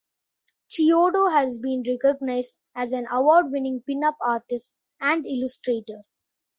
Chiodo has been recognized as an award-winning pin-up artist and illustrator.